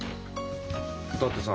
だってさ